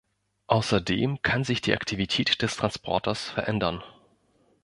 Außerdem kann sich die Aktivität des Transporters verändern.